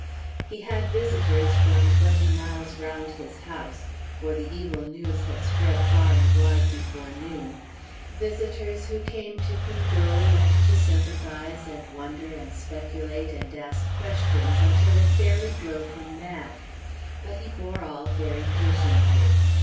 He had visitors from twenty miles round his house for the evil news had spread far and wide before noon visitors who came to condole, and to sympathize, and wonder, and speculate, and ask questions, until they fairly drove him mad. But he bore all very patiently.